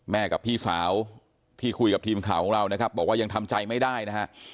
กับพี่สาวที่คุยกับทีมข่าวของเรานะครับบอกว่ายังทำใจไม่ได้นะฮะ